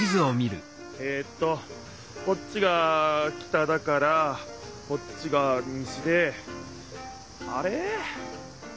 えっとこっちが北だからこっちが西であれ？